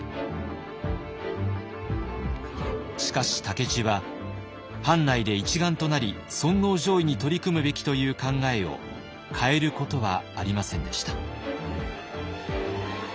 しかし武市は藩内で一丸となり尊皇攘夷に取り組むべきという考えを変えることはありませんでした。